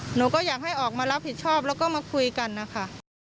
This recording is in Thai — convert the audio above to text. หนูก็อยากให้ออกมารับผิดชอบแล้วก็มาคุยกันนะคะ